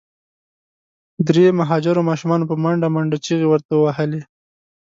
درې مهاجرو ماشومانو په منډه منډه چیغي ورته وهلې.